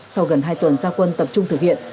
sau gần hai tuần gia quân tập trung thực hiện